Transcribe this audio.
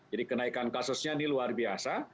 jadi kenaikan kasusnya ini luar biasa